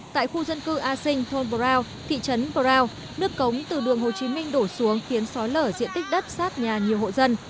tại khu dân cư a sinh thôn brown thị trấn brow nước cống từ đường hồ chí minh đổ xuống khiến sói lở diện tích đất sát nhà nhiều hộ dân